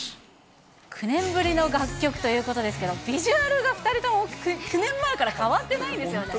９年ぶりの楽曲ということですけど、ビジュアルが２人とも９年前から変わってないですよね。